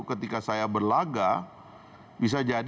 ketika saya berlaga